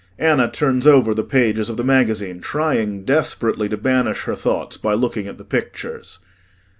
ANNA turns over the pages of the magazine, trying desperately to banish her thoughts by looking at the pictures.